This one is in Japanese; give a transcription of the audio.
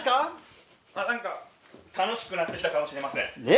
何か楽しくなってきたかもしれません。ね！